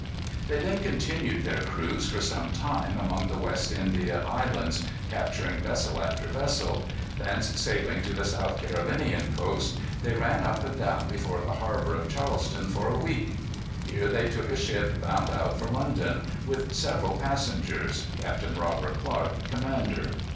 They then continued their cruise, for some time, among the West India Islands, capturing vessel after vessel. Thence sailing to the South Carolinian coast, they ran up and down before the harbor of Charleston for a week. Here they took a ship, bound out for London, with several passengers, Captain Robert Clark commander.